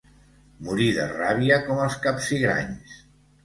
Morir de ràbia com els capsigranys.